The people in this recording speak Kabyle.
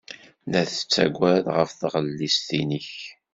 La tettaggad ɣef tɣellist-nnek.